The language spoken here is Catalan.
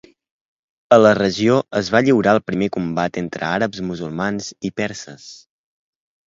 A la regió es va lliurar el primer combat entre àrabs musulmans i perses.